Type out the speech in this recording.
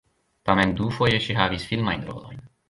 Tamen dufoje ŝi havis filmajn rolojn.